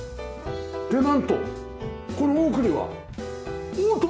でなんとこの奥にはオートバイ！